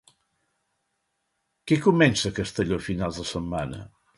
Què comença Castelló a finals de setmana?